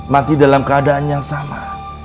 mati dalam keadaan yang salah